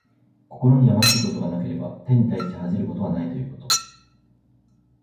心にやましいことがなければ、天に対して恥じることはないということ。